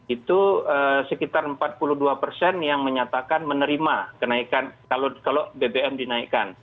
itu sekitar empat puluh dua persen yang menyatakan menerima kenaikan kalau bbm dinaikkan